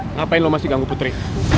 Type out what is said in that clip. ngapain lo masih ganggu putri